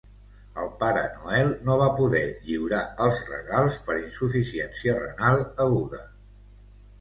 El Pare Noel no va poder lliurar els regals per insuficiència renal aguda.